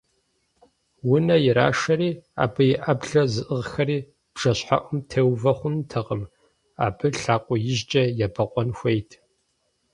Унэ ирашэри, абы и Ӏэблэр зыӀыгъхэри бжэщхьэӀум теувэ хъунутэкъым, абы лъакъуэ ижькӀэ ебэкъуэн хуейт.